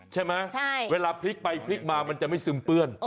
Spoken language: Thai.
เวลาพลิกไปพลิกมามันจะไม่ซึมเปื้อน